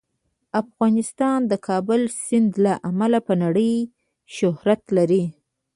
افغانستان د کابل سیند له امله په نړۍ شهرت لري.